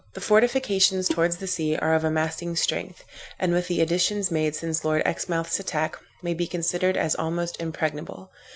The fortifications towards the sea are of amasing strength, and with the additions made since Lord Exmouth's attack, may be considered as almost impregnable.